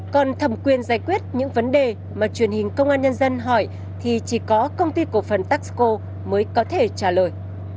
còn thẩm quyền giải quyết những vấn đề mà truyền hình công an nhân dân hỏi thì chỉ có công ty cổ phần taxco mới có thể trả lời